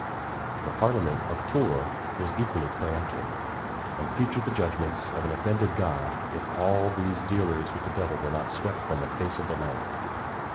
The parliament of Tours was equally peremptory, and feared the judgments of an offended God if all these dealers with the devil were not swept from the face of the land.